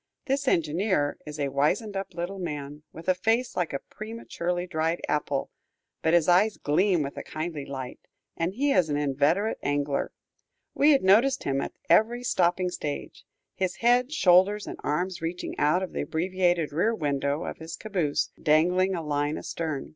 This engineer is a wizened up little man, with a face like a prematurely dried apple, but his eyes gleam with a kindly light, and he is an inveterate angler. We had noticed him at every stopping stage, his head, shoulders, and arms reaching out of the abbreviated rear window of his caboose, dangling a line astern.